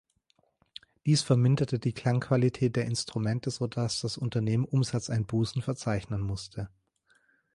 Dies verminderte die Klangqualität der Instrumente, so dass das Unternehmen Umsatzeinbußen verzeichnen musste.